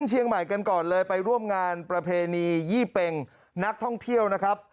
เชียงใหม่กันก่อนเลยไปร่วมงานประเพณียี่เป็งนักท่องเที่ยวนะครับ